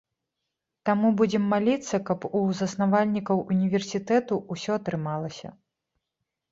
Таму будзем маліцца, каб у заснавальнікаў універсітэту ўсё атрымалася.